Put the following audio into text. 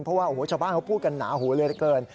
เพราะว่าชาวบ้านก็พูดกันนาหูเลยเกิน